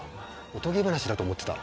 おとぎ話だと思ってた。